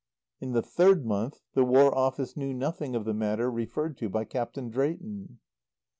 In the third month the War Office knew nothing of the matter referred to by Captain Drayton.